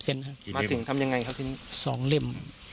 ๓๐เซนต์ครับมาถึงทำอย่างไรครับที่นี่สองเล่ม